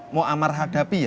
mau amar hadapi ya